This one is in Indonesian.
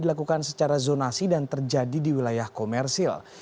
dilakukan secara zonasi dan terjadi di wilayah komersil